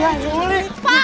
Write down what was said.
pak bantu cari